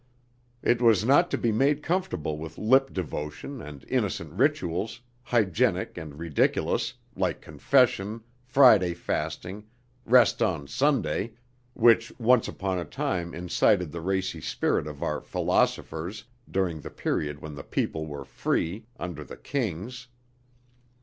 It was not to be made comfortable with lip devotion and innocent rituals, hygienic and ridiculous, like confession, Friday fasting, rest on Sunday, which once upon a time incited the racy spirit of our "philosophers" during the period when the people were free under the kings.